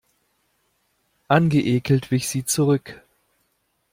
Angeekelt wich sie zurück.